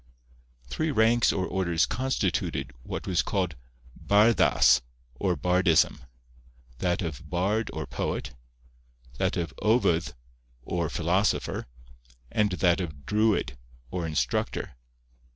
Three ranks or orders constituted what was called barddas, or bardism; that of bard or poet, that of ovydd or philosopher, and that of druid or instructor.